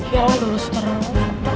ya lah lurus terus